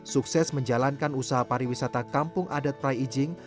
sukses menjalankan usaha pariwisata kampung adat prai ijing